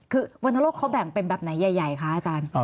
คือวรรณโลกเขาแบ่งเป็นแบบไหนใหญ่คะอาจารย์